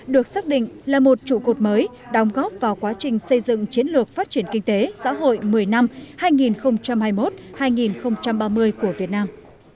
được xác định là một trụ cột mới đóng góp vào quá trình xây dựng chiến lược phát triển kinh tế xã hội một mươi năm hai nghìn hai mươi một hai nghìn ba mươi của việt nam